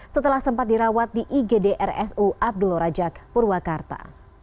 setelah sempat dirawat di igdrsu abdulorajak purwakarta